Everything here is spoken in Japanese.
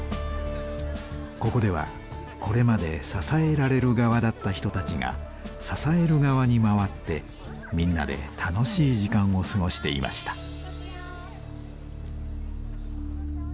ここではこれまで支えられる側だった人たちが支える側に回ってみんなで楽しい時間を過ごしていました。